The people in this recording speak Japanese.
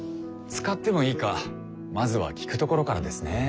使ってもいいかまずは聞くところからですね。